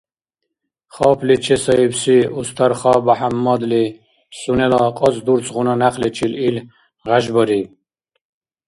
Хапли чесаибси Устарха БяхӀяммадли сунела къацӀдурцгъуна някъличил ил гъяжбариб.